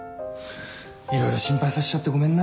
色々心配させちゃってごめんな。